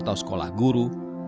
atau sekolah guru